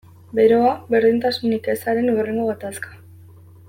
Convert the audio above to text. Beroa, berdintasunik ezaren hurrengo gatazka.